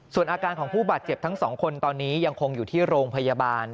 ส่วนอาการของผู้บาดเจ็บทั้งสองคนตอนนี้ยังคงอยู่ที่โรงพยาบาล